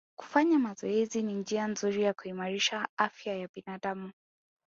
Kufanya mazoezi ni njia nzuri ya kuimarisha afya ya binadamu